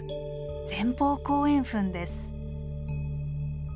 前方後円墳です。